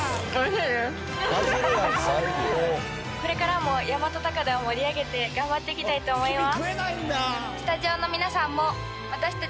これからも大和高田を盛り上げて頑張っていきたいと思います。